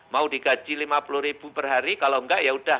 mau digaji lima puluh ribu per hari kalau enggak ya udah